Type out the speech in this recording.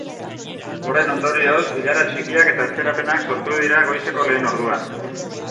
Horren ondorioz, ilara txikiak eta atzerapenak sortu dira goizeko lehen orduan.